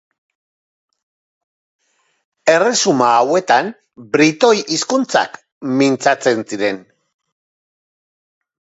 Erresuma hauetan britoi hizkuntzak mintzatzen ziren.